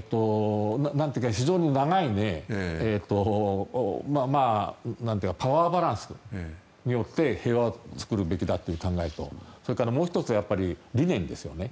非常に長いパワーバランスによって平和を作るべきだという考えとそれからもう１つは理念ですよね